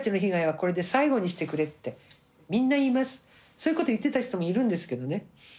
そういうこと言ってた人もいるんですけどね。